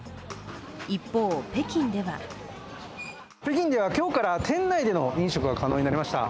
一方、北京では北京では今日から、店内の飲食が可能になりました。